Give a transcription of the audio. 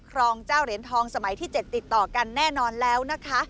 รองเจ้าเหรียญทองสมัยที่๗ติดต่อกันแน่นอนแล้วนะคะ